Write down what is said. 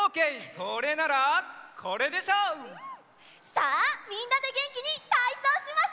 さあみんなでげんきにたいそうしますよ！